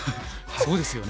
そうですね。